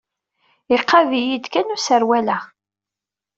Iqad-iyi-d kan userwal-a.